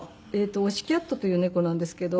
オシキャットという猫なんですけど。